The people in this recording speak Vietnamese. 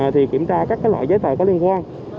thì kiểm tra các loại giấy tờ có liên quan